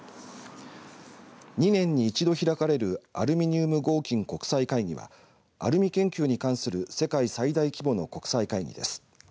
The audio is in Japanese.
２年に一度、開かれるアルミニウム合金国際会議はアルミ研究に関する世界最大規模の国際会議です。